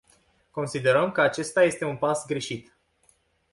Considerăm că acesta este un pas greșit.